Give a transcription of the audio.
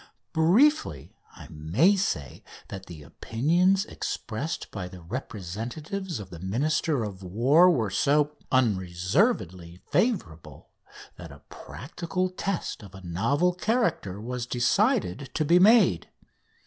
Briefly, I may say that the opinions expressed by the representatives of the Minister of War were so unreservedly favourable that a practical test of a novel character was decided to be made.